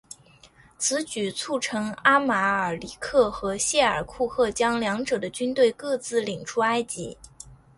此举促成阿马尔里克和谢尔库赫将两者的军队各自领出埃及。